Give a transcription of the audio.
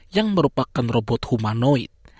yang merupakan robot humanoid